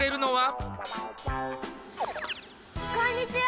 こんにちは！